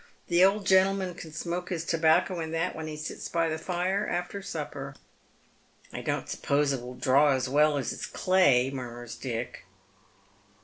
" The old gentleman can smoke his tobacco in that when he sits by the fire after supper," " I don't suppose it will draw as well as his clay," murmurs Dick.